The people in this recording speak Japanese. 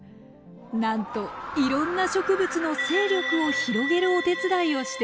なんといろんな植物の勢力を広げるお手伝いをしているんだとか。